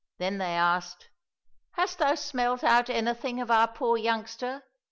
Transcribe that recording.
— Then they asked, " Hast thou smelt out anything of our poor youngster